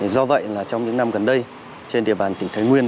do vậy là trong những năm gần đây trên địa bàn tỉnh thái nguyên